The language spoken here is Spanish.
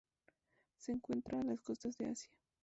Se encuentran en las costas de Asia.